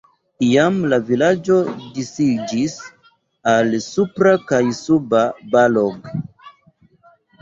Iam la vilaĝo disiĝis al Supra kaj Suba Balog.